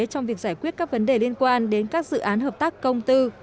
trong việc giải quyết các vấn đề liên quan đến các dự án hợp tác công tư